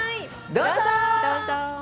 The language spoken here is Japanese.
どうぞ！